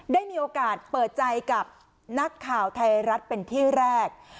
ได้มีโอกาสเปิดใจกับนักข่าวไทยรัฐเป็นที่แรก